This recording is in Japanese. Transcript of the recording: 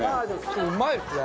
これうまいですね。